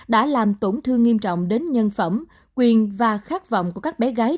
đã làm tổn thương nghiêm trọng đến nhân phẩm quyền và khát vọng của các bé gái